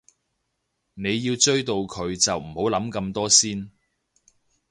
你要追到佢就唔好諗咁多先